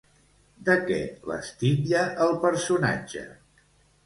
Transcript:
De què les titlla el personatge?